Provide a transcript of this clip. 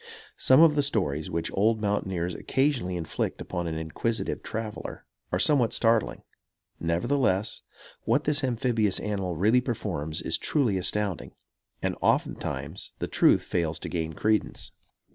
Some of the stories which old mountaineers occasionally inflict upon an inquisitive traveller are somewhat startling; nevertheless, what this amphibious animal really performs is truly astounding, and oftentimes the truth fails to gain credence.